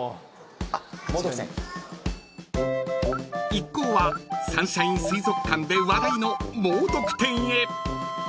［一行はサンシャイン水族館で話題のもうどく展へ］